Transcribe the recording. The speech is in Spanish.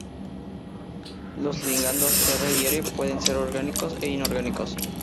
Los ligandos R y R 'pueden ser orgánicos o inorgánicos.